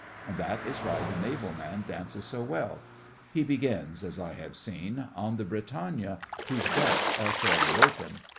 And that is why the Naval man dances so well. He begins, as I have seen, on the Britannia, whose decks are fairly open.